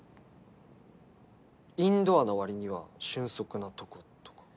インドアの割には俊足なとことか？